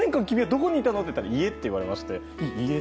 どこにいたの？って聞いたら家って言われました。